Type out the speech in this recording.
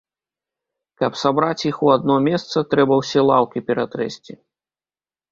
Каб сабраць іх у адно месца, трэба ўсе лаўкі ператрэсці.